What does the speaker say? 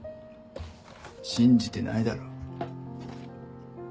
信じてないだろ。